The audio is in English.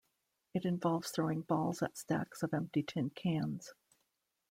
It involves throwing balls at stacks of empty tin cans.